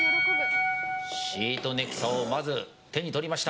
シートネクサを手に取りました。